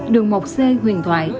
đường một c huyền thoại